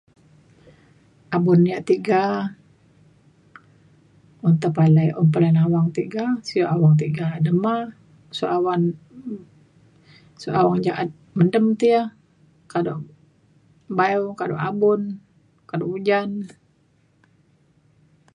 Abun ya' tiga me tepalai [unintelligible] awang tiga sio awang tiga demah so awang jaat mendem ti ya kadu' baio kadu' abun kadu' ujan